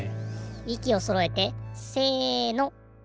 いきをそろえてせの。